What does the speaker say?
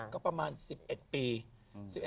ก็ประมาณ๑๑ปี